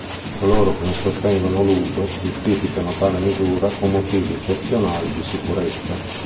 Coloro che ne sostengono l'uso, giustificano tale misura con motivi eccezionali di sicurezza.